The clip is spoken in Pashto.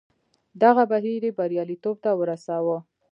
دغه بهیر یې بریالیتوب ته ورساوه.